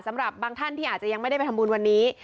สำหรับบางท่านที่อาจจะยังไม่ได้ไปทำบุญวันนี้